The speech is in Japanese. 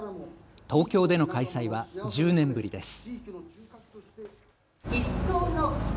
東京での開催は１０年ぶりです。